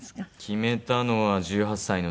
決めたのは１８歳の時です。